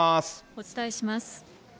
お伝えします。